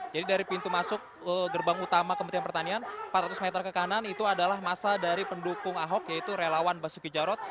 jadi dari pintu masuk gerbang utama kementerian pertanian empat ratus meter ke kanan itu adalah masa dari pendukung ahok yaitu relawan basuki jarot